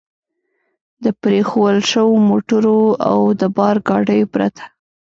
د پرېښوول شوو موټرو او د بار ګاډیو پرته.